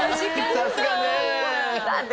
さすがね。